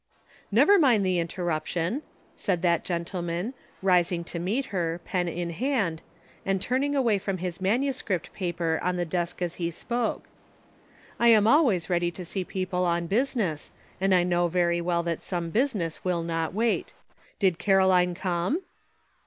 "Never mind the interruption," said that gen tleman, rising to meet her, pen in hand, and turning away from his manuscript paper on the desk as he spoke ;" I am always ready to see people on business, and I know very well that some business will not wait. Did Caroline come?"